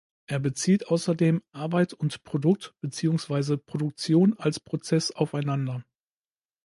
Er bezieht außerdem „Arbeit“ und „Produkt“ beziehungsweise „Produktion“ als „Prozeß“ aufeinander.